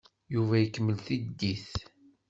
Yuba ikemmel tiddit.